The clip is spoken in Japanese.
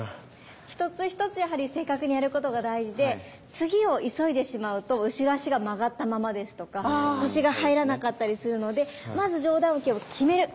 一つ一つやはり正確にやることが大事で次を急いでしまうと後ろ足が曲がったままですとか腰が入らなかったりするのでまず上段受けを極める。